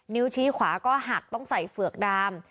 ชี้ขวาก็หักต้องใส่เฝือกดาม